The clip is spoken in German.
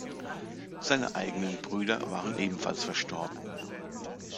Seine eigenen Brüder waren ebenfalls verstorben.